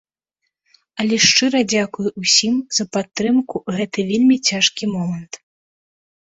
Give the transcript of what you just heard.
Але шчыра дзякую ўсім за падтрымку ў гэты вельмі цяжкі момант.